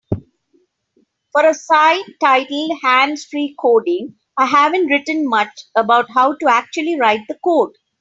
For a site titled Hands-Free Coding, I haven't written much about How To Actually Write The Code.